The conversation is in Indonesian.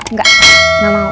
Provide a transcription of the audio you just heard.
nggak gak mau